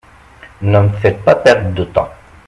Ne me faites pas perdre de temps.